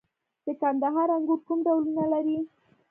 د کندهار انګور کوم ډولونه لري؟